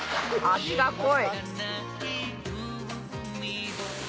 味が濃い。